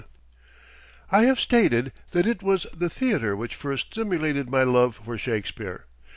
] I have stated that it was the theater which first stimulated my love for Shakespeare.